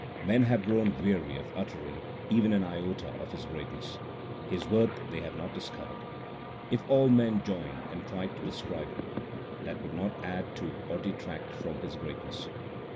Men have grown weary of uttering Even an iota of His greatness ; His worth they have not discovered. If all men joined and tried to describe Him, That would not add to or detract from His greatness.